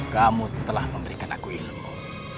kamu telah memberikan aku ilmu